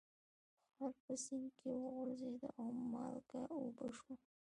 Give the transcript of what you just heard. خر په سیند کې وغورځید او مالګه اوبه شوه.